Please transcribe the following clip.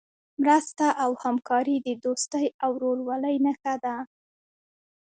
مرسته او همکاري د دوستۍ او ورورولۍ نښه ده.